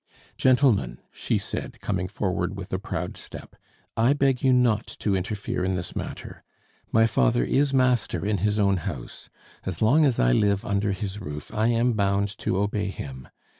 "Gentlemen," she said, coming forward with a proud step, "I beg you not to interfere in this matter. My father is master in his own house. As long as I live under his roof I am bound to obey him.